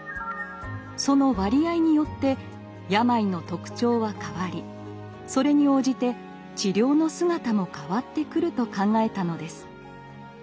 その割合によって病の特徴は変わりそれに応じて治療の姿も変わってくると考えたのです。